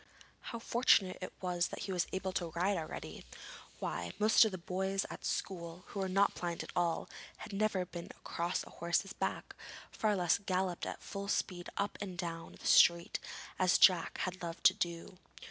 How fortunate it was that he was able to ride already! why, most of the boys at school, who were not blind at all, had never been across a horse's back, far less galloped at full speed up and down the street as Jack had loved to do!